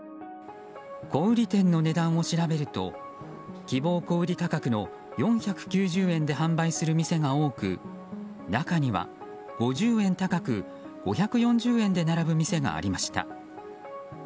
小売店の値段を調べると希望小売価格の４９０円で販売する店が多く中には５０円高く５４０円で並ぶ店がありました。